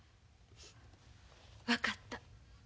分かった。